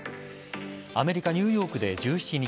アメリカニューヨークで１７日